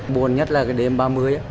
buồn nhất là cái đêm ba mươi á